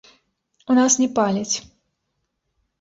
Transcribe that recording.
У нас не паляць.